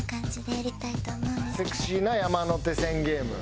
セクシーな山手線ゲーム？